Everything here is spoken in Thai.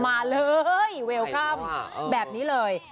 มาเลยเวลค่ำแบบนี้เลย